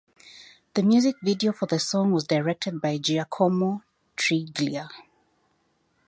The music video for the song was directed by Giacomo Triglia.